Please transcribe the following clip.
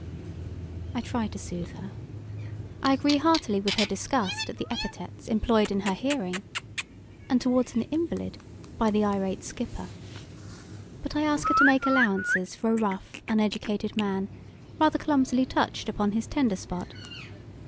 I try to soothe her. I agree heartily with her disgust at the epithets employed in her hearing, and towards an invalid, by the irate skipper. But I ask her to make allowances for a rough, uneducated man, rather clumsily touched upon his tender spot.